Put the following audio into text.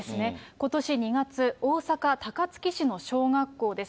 ことし２月、大阪・高槻市の小学校です。